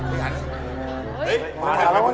เอาล่ะโอ้โห